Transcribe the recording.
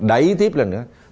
đẩy tiếp lên nữa